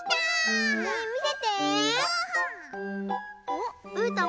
おっうーたん